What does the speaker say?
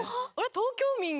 東京民が。